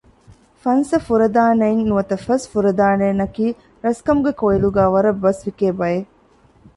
‘ފަންސަފުރަދާނައިން’ ނުވަތަ ފަސް ފުރަދާނައިން ނަކީ ރަސްކަމުގެ ކޮއިލުގައި ވަރަށް ބަސްވިކޭ ބައެއް